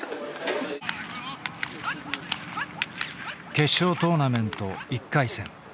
決勝トーナメント１回戦。